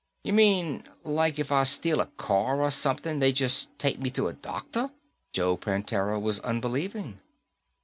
"You mean, like, if I steal a car or something, they just take me to a doctor?" Joe Prantera was unbelieving.